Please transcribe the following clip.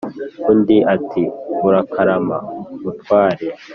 undi ati"urakarama mutware"